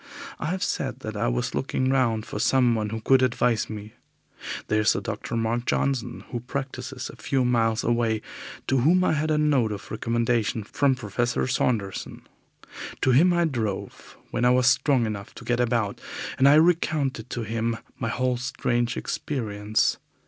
I have said that I was looking round for someone who could advise me. There is a Dr. Mark Johnson who practices some few miles away, to whom I had a note of recommendation from Professor Saunderson. To him I drove, when I was strong enough to get about, and I recounted to him my whole strange experience.